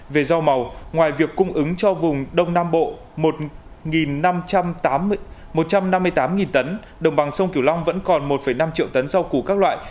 về rau màu ngoài việc cung ứng cho vùng đông nam bộ một năm mươi tám tấn đồng bằng sông kiều long vẫn còn một năm triệu tấn rau củ các loại